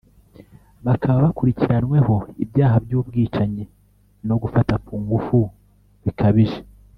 bakaba bakurikiranweho ibyaha by’ubwicanyi no gufata ku ngufu bikabije